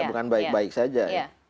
bukan baik baik saja